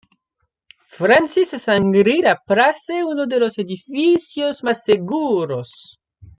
Francis Shangri-La Place uno de los edificios más seguros.